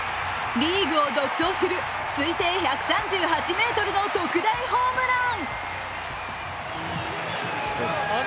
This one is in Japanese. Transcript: リーグを独走する推定１３８ｍの特大ホームラン。